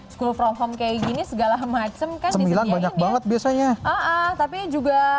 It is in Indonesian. school from home kayak gini segala macem kan disediakan banyak banget biasanya tapi juga